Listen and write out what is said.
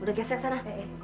udah gesek sana